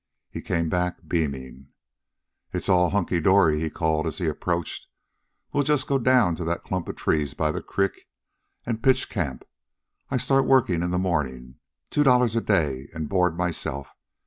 He came back beaming. "It's all hunkydory," he called as he approached. "We'll just go down to that clump of trees by the creek an' pitch camp. I start work in the mornin', two dollars a day an' board myself.